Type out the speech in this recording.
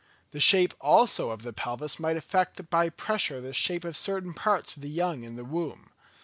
The shape, also, of the pelvis might affect by pressure the shape of certain parts of the young in the womb.